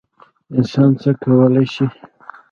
انسان څه کولی شي؟